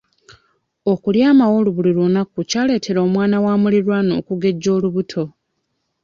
Okulya amawolu buli lunaku kyaleetera omwana wa mulirwana okugejja olubuto.